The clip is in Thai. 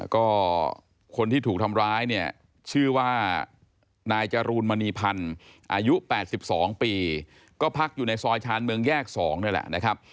ก็คนที่ถูกทำร้ายเนี่ยชื่อว่านายจรูนมณีพันธ์อายุ๘๒ปีก็พักอยู่ในซอยชาญเมืองแยก๒นี่แหละนะครับ